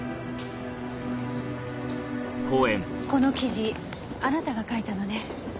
この記事あなたが書いたのね？